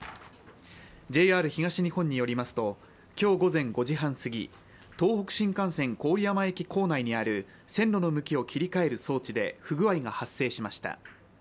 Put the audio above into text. ＪＲ東日本によりますと、今日午前５時半過ぎ、東北新幹線郡山駅構内にある線路の向きを切り替える装置で不具合が発生しました。